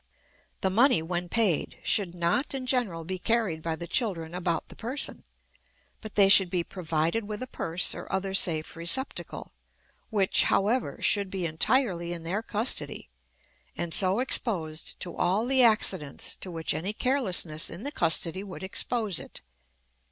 The money, when paid, should not, in general, be carried by the children about the person, but they should be provided with a purse or other safe receptacle, which, however, should be entirely in their custody, and so exposed to all the accidents to which any carelessness in the custody would expose it.